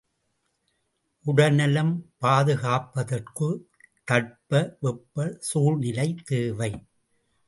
உடல்நலம் பாதுகாப்பதற்குத் தட்ப வெப்பச் சூழ்நிலை தேவை.